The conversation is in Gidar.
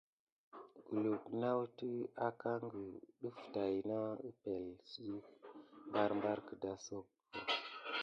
Kulu nawute akenki def tät na epəŋle suk barbar kidasaku.